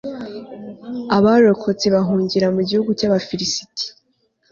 abarokotse bahungira mu gihugu cy'abafilisiti